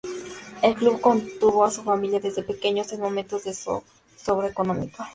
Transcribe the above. El club contuvo a su familia desde pequeño, en momentos de zozobra económica.